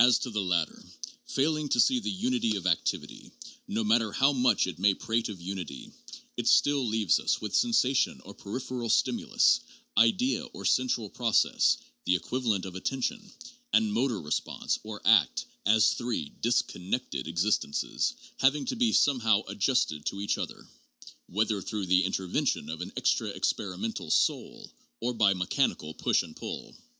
THE REFLEX ARC CONCEPT. 361 no matter how much it may prate of unity, it still leaves us with sensation or peripheral stimulus ; idea, or central process (the equivalent of attention) ; and motor response, or act, as three disconnected existences, having to be somehow adjusted to each other, whether through the intervention of an extra experimental soul, or by mechanical push and pull.